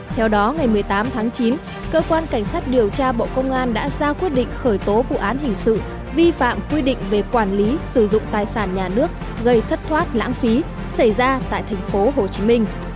theo đó ngày một mươi tám tháng chín cơ quan cảnh sát điều tra bộ công an đã ra quyết định khởi tố vụ án hình sự vi phạm quy định về quản lý sử dụng tài sản nhà nước gây thất thoát lãng phí xảy ra tại tp hcm